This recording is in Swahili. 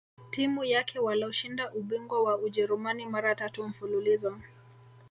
timu yake waloshinda ubingwa wa Ujerumani mara tatu mfululizo